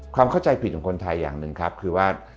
ความเข้าใจผิดของคนไทยอย่างหนึ่งครับคือว่า